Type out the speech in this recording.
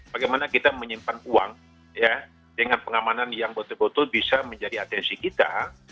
bagaimana kita menyimpan uang ya dengan pengamanan yang botol botol bisa menjadi atensi kita